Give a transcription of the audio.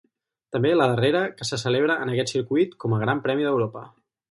També la darrera que se celebra en aquest circuit com a Gran Premi d'Europa.